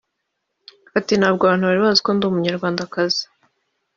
Ati “Ntabwo abantu bari bazi ko ndi Umunyarwandakazi